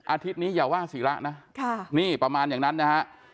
อาทิตย์นี้อย่าว่าศีระนะนี่ประมาณอย่างนั้นนะฮะ